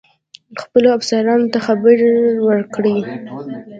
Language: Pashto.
خپلو افسرانو ته خبر ورکړی.